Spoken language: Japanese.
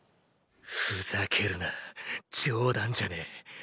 ふざけるな冗談じゃねぇ。